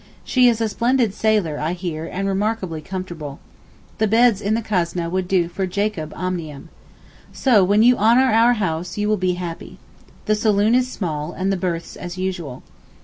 She is a splendid sailer I hear and remarkably comfortable. The beds in the kasneh would do for Jacob Omnium. So when you 'honour our house' you will be happy. The saloon is small, and the berths as usual.